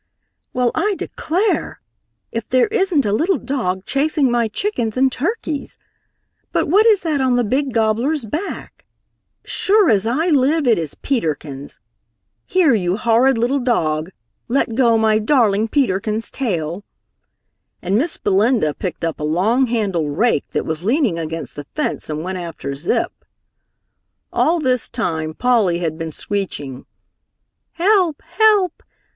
"Well, I declare, if there isn't a little dog chasing my chickens and turkeys! But what is that on the big gobbler's back? Sure as I live, it is Peter Kins! Here, you horrid little dog, let go my darling Peter Kins' tail!" and Miss Belinda picked up a long handled rake that was leaning against the fence and went after Zip. All this time Polly had been screeching, "Help! Help!